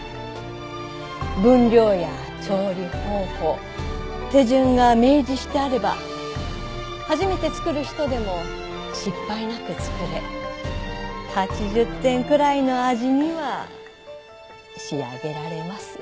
分量や調理方法手順が明示してあれば初めて作る人でも失敗なく作れ８０点くらいの味には仕上げられます。